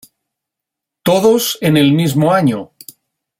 Todos en el mismo año.